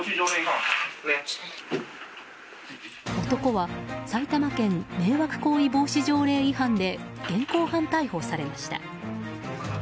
男は埼玉県迷惑行為防止条例違反で現行犯逮捕されました。